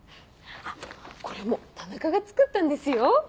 あっこれも田中が作ったんですよ！